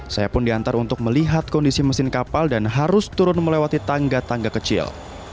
saya pun diantar untuk melihat kondisi mesin kapal dan harus turun melewati tangga tangga kecil